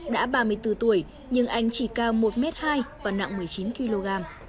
đã ba mươi bốn tuổi nhưng anh chỉ cao một m hai và nặng một mươi chín kg